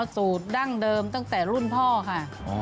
สูตรดั้งเดิมตั้งแต่รุ่นพ่อค่ะ